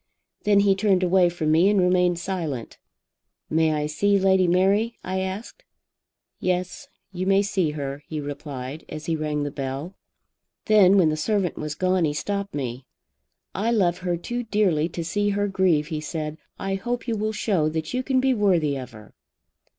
Then he turned away from me and remained silent. 'May I see Lady Mary?' I asked. 'Yes; you may see her,' he replied, as he rang the bell. Then when the servant was gone he stopped me. 'I love her too dearly to see her grieve,' he said. 'I hope you will show that you can be worthy of her.'